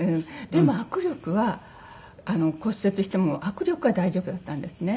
でも握力は骨折しても握力は大丈夫だったんですね。